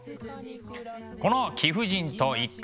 この「貴婦人と一角獣」。